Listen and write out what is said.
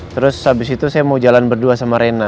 terus abis itu saya mau jalan berdua sama reina